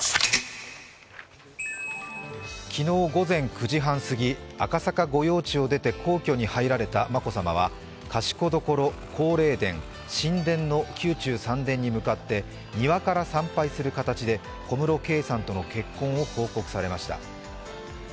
昨日午前９時半すぎ、赤坂御用地を出て皇居に入られた眞子さまは賢所、皇霊殿、神殿の宮中三殿に向かって庭から参拝する形で小室圭さんとの結婚を報告されました。